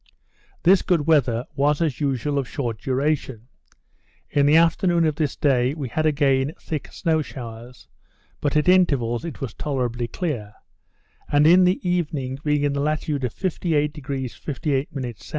This good weather was, as usual, of short duration. In the afternoon of this day, we had again thick snow showers; but, at intervals, it was tolerably clear; and, in the evening being in the latitude of 58° 58' S.